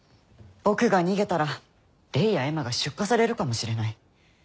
僕が逃げたらレイやエマが出荷されるかもしれない。